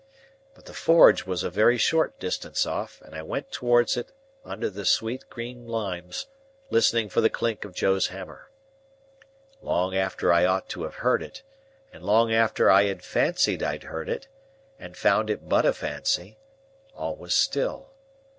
But the forge was a very short distance off, and I went towards it under the sweet green limes, listening for the clink of Joe's hammer. Long after I ought to have heard it, and long after I had fancied I heard it and found it but a fancy, all was still.